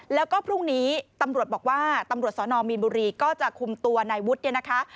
แล้วก็พรุ่งนี้ตำรวจบอกว่าตำรวจสนมีนบุรีก็จะคุมตัวนายวุฒิเนี่ยนะคะ